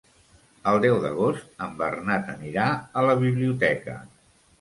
El deu d'agost en Bernat anirà a la biblioteca.